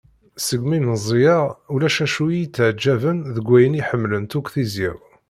Segmi meẓẓiyeɣ ulac acu iyi-ttaɛǧaben deg wayen i ḥemmlent akk tizya-w.